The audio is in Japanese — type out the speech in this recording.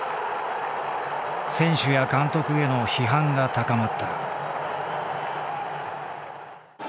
選手や監督への批判が高まった。